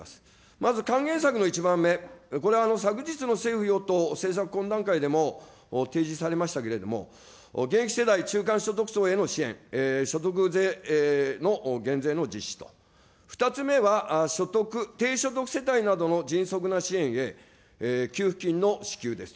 まず還元策の１番目、これは昨日の政府与党政策懇談会でも提示されましたけれども、現役世代中間所得層への支援、所得税の減税の実施と、２つ目は所得、低所得世帯への迅速な支援へ給付金の支給です。